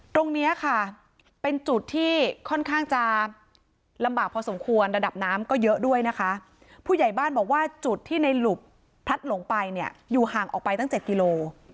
ตรงนี้ค่ะเป็นจุดที่ค่อนข้างจะลำบากพอสมควรระดับน้ำก็เยอะด้วยนะคะผู้ใหญ่บ้านบอกว่าจุดที่ในหลุบพลัดหลงไปเนี่ยอยู่ห่างออกไปตั้ง๗กิโล